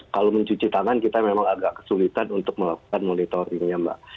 kalau mencuci tangan kita memang agak kesulitan untuk melakukan monitoringnya mbak